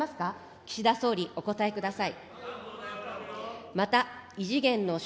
岸田総理、お答えください。